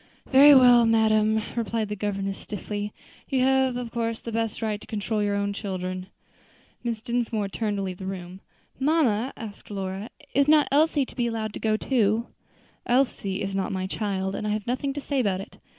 "Very well, madam," replied the governess stiffly, "you have of course the best right to control your own children." Mrs. Dinsmore turned to leave the room. "Mamma," asked Lora, "is not Elsie to be allowed to go too?" "Elsie is not my child, and I have nothing to say about it.